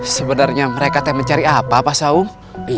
sebenarnya mereka teh mencari apa pak saung